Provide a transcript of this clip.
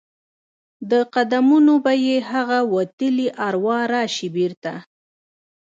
د قدمونو به یې هغه وتلي اروا راشي بیرته؟